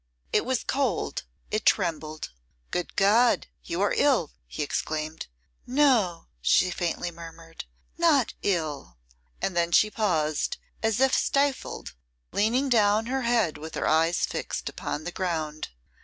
It was cold, it trembled. 'Good God! you are ill!' he exclaimed. 'No!' she faintly murmured, 'not ill.' And then she paused, as if stifled, leaning down her head with eyes fixed upon the ground.